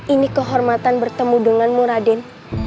ini kehormatan bertemu denganmu raden